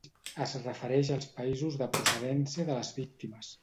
Es refereix als països de procedència de les víctimes.